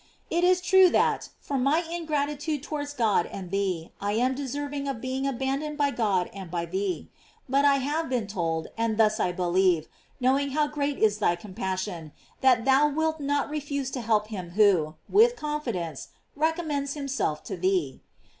It is true that, for my in gratitude towards God and thee, I am deserving of being abandoned by God and by thee; but I have been told, and thus I believe, knowing how great is thy compassion, that thou wilt not re« GLORIES OF MART. 398 fuse to help him who, with confidence, re commends himself to thee.